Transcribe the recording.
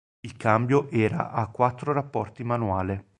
Il cambio era a quattro rapporti manuale.